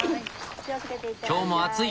今日も暑い。